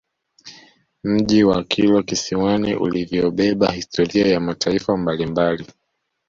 Mji wa Kilwa Kisiwani ulivyobeba historia ya mataifa mbalimbali